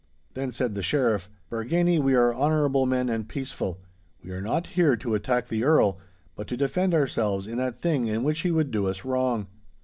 Then said the Sheriff, 'Bargany, we are honourable men and peaceful. We are not here to attack the Earl, but to defend ourselves in that thing in which he would do us wrong.